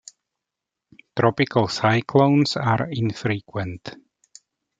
Tropical cyclones are infrequent.